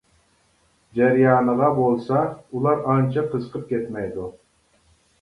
جەريانىغا بولسا، ئۇلار ئانچە قىزىقىپ كەتمەيدۇ.